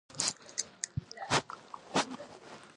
ازادي راډیو د اقلیتونه په اړه د پرانیستو بحثونو کوربه وه.